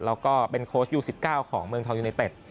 แล้วก็เป็นโค้ชยู๑๙ของเมืองทองยูเนเต็ด